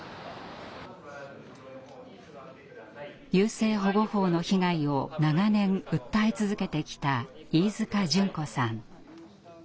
優生保護法の被害を長年訴え続けてきた飯塚淳子さん。